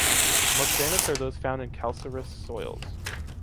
The most famous are those found in calcareous soils.